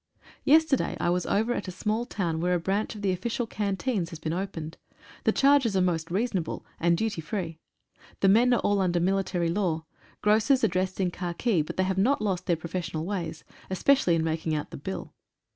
Yesterday I was over at a small town where a branch of the official canteens has been opened. The charges are most reasonable, and duty free. The men are all under military law. Grocers are dressed in khaki, but they have not lost their professional ways, especially in making out the bill.